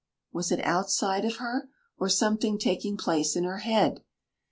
Was it outside of her, or something taking place in her head?